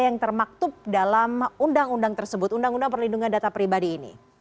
yang termaktub dalam undang undang tersebut undang undang perlindungan data pribadi ini